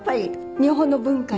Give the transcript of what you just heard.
日本の文化に。